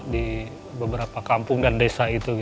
di beberapa kampung dan desa itu